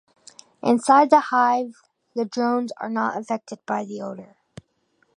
Inside the hive, the drones are not affected by the odor.